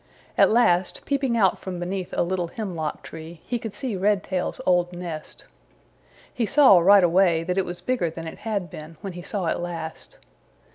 At last, peeping out from beneath a little hemlock tree, he could see Redtail's old nest. He saw right away that it was bigger than it had been when he saw it last.